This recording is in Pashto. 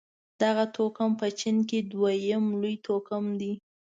دغه توکم په چين کې دویم لوی توکم دی.